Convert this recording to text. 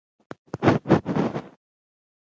هیواد مې د غرونو شملې دي